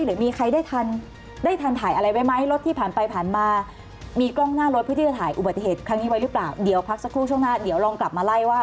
หรือมีใครได้ทันถ่ายอะไรไว้ไหม